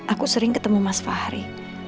aku sering ketemu mas fahri